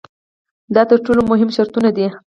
دا تر ټولو مهم شرطونه دي.